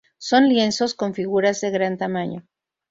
Son lienzos con figuras de gran tamaño.